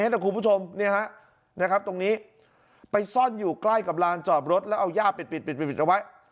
นะคุณผู้ชมตรงนี้ไปซ่อนอยู่ใกล้กับลานจอดรถแล้วเอาย่าปิดเอาไว้